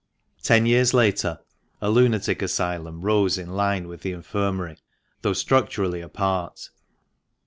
Ten years later a Lunatic Asylum rose in line with the Infirmary, though structurally apart.